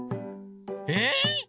えっ！